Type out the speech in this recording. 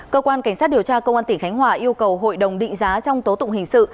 cơ quan cảnh sát điều tra công an tỉnh khánh hòa yêu cầu hội đồng định giá trong tố tụng hình sự